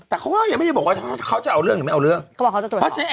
แต่เขาก็ไม่ว่าเค้าจะเอาเรื่องหรือไม่เอาเรื่อง